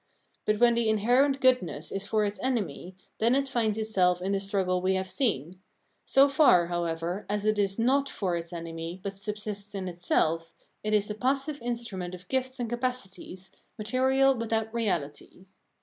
But when the iaherent goodness is for its enemy, then it finds itself in the struggle we have seen ; so far, however, as it is not for its enemy, but subsists in itself, it is the passive instru ment of gifts and capacities, material without reality.